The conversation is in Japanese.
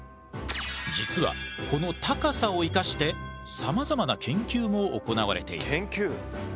実はこの高さをいかしてさまざまな研究も行われている。